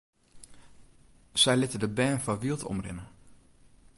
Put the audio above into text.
Sy litte de bern foar wyld omrinne.